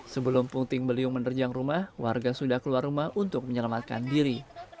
sebelum puting beliung menerjang rumah warga sudah keluar rumah untuk menyelamatkan diri